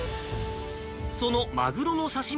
そのマグロの刺身